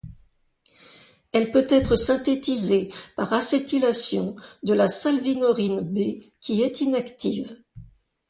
Elle peut être synthétisée par acétylation de la salvinorine B, qui est inactive.